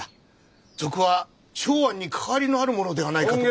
賊は松庵に関わりのある者ではないかと。